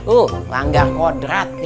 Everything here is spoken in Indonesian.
uh langga kodrat ya